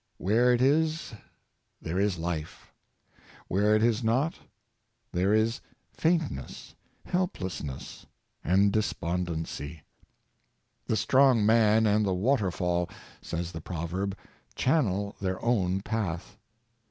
Where it is, there is life ; where it is not, there is faintness, helplessness, and desponden cy. " The strong man and the water fall," says the proverb, "channel their own path."